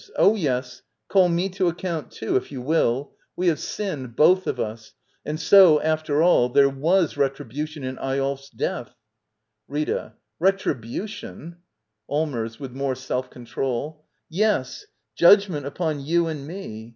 Oh, yes — call me to account, too — if you will. We have sinned — both of us. — And so, after all, thfffjf^tfy rnn'Hiti^n in Fyvlf ^f deatlu. /^ ftiTA. Retribution? Allmers. [With more self control.] Yes. ^. Judgment upon you and me.